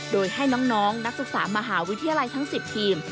โดยให้น้องนักศึกษามหาวิทยาลัยทั้ง๑๐ทีม